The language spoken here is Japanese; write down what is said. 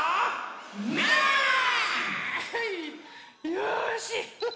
よし！